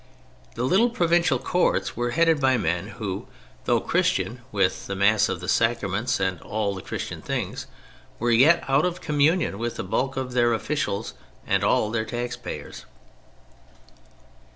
The little provincial courts were headed by men who, though Christian (with the Mass, the Sacraments and all Christian things), were yet out of communion with the bulk of their officials, and all their taxpayers.